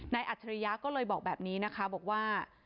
อัจฉริยะก็เลยบอกแบบนี้นะคะบอกว่า